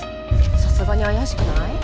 さすがに怪しくない？